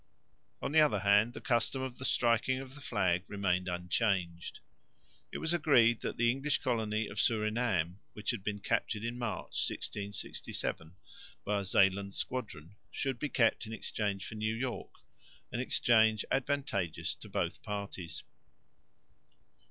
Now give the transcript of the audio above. On the other hand, the custom of the striking of the flag remained unchanged. It was agreed that the English colony of Surinam, which had been captured in March, 1667, by a Zeeland squadron should be kept in exchange for New York, an exchange advantageous to both parties.